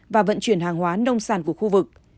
và vận chuyển hàng hóa nông sản của khu vực